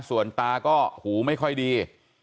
ส่วนตาก็หูไม่ค่อยดี